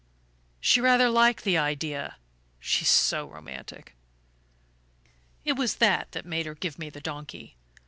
She rather liked the idea she's so romantic! It was that that made her give me the donkey.